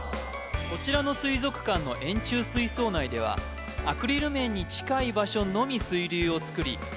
こちらの水族館の円柱水槽内ではアクリル面に近い場所のみ水流を作り